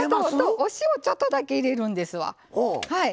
お塩をちょっとだけ入れるんですわ。